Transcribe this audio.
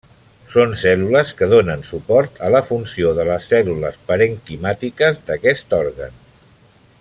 Són cèl·lules que donen suport a la funció de les cèl·lules parenquimàtiques d'aquest òrgan.